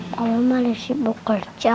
kamu malah sibuk kerja